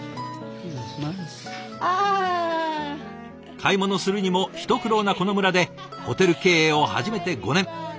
買い物するにも一苦労なこの村でホテル経営を始めて５年。